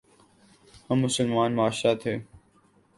ہم مسلمان معاشرہ تھے۔